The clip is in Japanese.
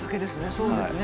そうですね。